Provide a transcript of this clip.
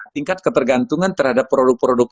tingkat ketergantungan terhadap produk produk